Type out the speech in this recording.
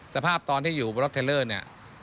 สภาพตอนที่อยู่บนรถเทลเลอร์เนี่ย